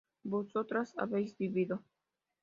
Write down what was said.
vosotras habéis vivido